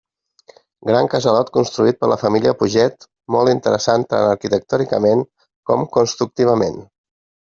Gran casalot construït per la família Puget, molt interessant tant arquitectònicament com constructivament.